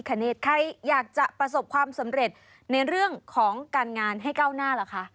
เนตใครอยากจะประสบความสำเร็จในเรื่องของการงานให้ก้าวหน้าเหรอคะ